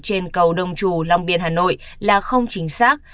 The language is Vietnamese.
trên cầu đông trù long biên hà nội là không chính xác